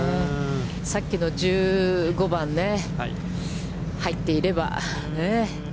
さっきの１５番ね、入っていればね。